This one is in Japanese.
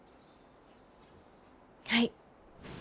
はい。